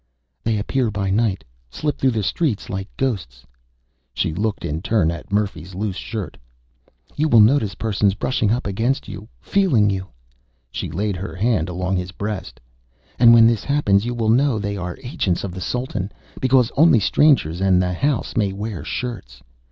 "They appear by night slip through the streets like ghosts...." She looked in turn at Murphy's loose shirt. "You will notice persons brushing up against you, feeling you," she laid her hand along his breast, "and when this happens you will know they are agents of the Sultan, because only strangers and the House may wear shirts.